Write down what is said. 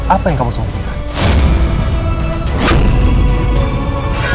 apa yang kamu sempat lakukan